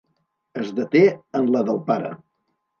Es deté en la del pare.